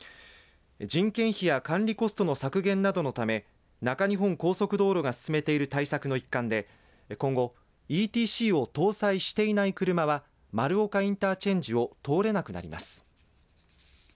人件費や管理コストの削減などのため中日本高速道路が進めている対策の一環で今後ＥＴＣを搭載していない車は丸岡インターチェンジを通れなくなります。